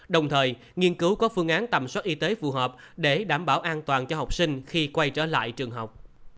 đồng thời nghiên cứu có phương án tầm soát y tế phù hợp để đảm bảo an toàn cho học sinh khi quay trở lại trường học